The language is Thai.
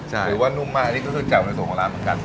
หรือว่านุ่มมากอันนี้ก็คือแจ่วในส่วนของร้านเหมือนกัน